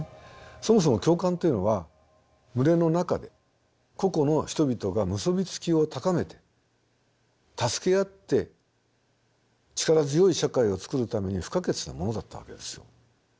そもそも共感というのは群れの中で個々の人々が結び付きを高めて助け合って力強い社会を作るために不可欠なものだったわけですよ。